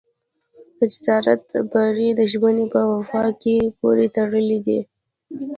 د تجارت بری د ژمنې په وفا پورې تړلی دی.